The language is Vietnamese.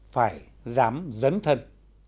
phải dám dấn thân